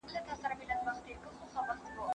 ګوهره! ګني څوک نيسي روژې پۀ مېخانه کښې